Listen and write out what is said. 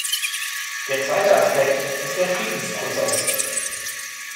Der zweite Aspekt ist der Friedensprozess.